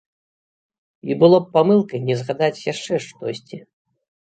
І было б памылкай не згадаць яшчэ штосьці.